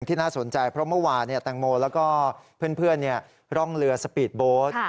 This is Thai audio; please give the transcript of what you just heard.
น่าสนใจเพราะเมื่อวานแตงโมแล้วก็เพื่อนร่องเรือสปีดโบสต์